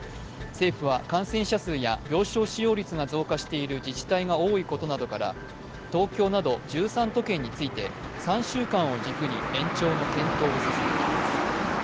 政府は感染者数や病床使用率が上昇している自治体が多いことから東京など１３都県について、３週間を軸に延長の検討を進めています。